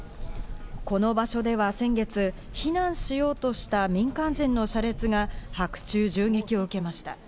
この場所では先月、避難しようとした民間人の車列があ白昼、銃撃を受けました。